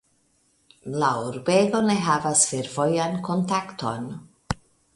La urbego ne havas fervojan kontakton.